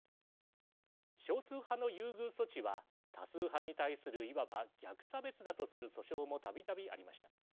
少数派の優遇措置は多数派に対するいわば逆差別だとする訴訟もたびたびありました。